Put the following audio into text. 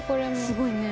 すごいね。